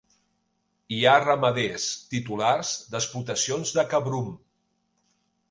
Hi ha ramaders titulars d'explotacions de cabrum.